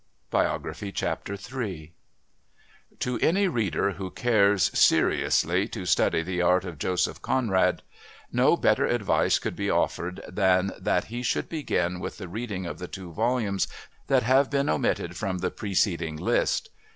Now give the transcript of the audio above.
III To any reader who cares, seriously, to study the art of Joseph Conrad, no better advice could be offered than that he should begin with the reading of the two volumes that have been omitted from the preceding list.